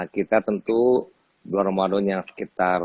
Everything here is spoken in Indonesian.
kita tentu bulan ramadan yang sekitar